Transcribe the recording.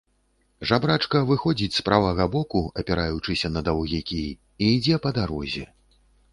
Жабрачка выходзіць з правага боку, апіраючыся на даўгі кій, і ідзе па дарозе.